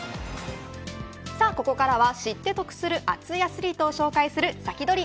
ここからは知って得する熱いアスリートを紹介するサキドリ！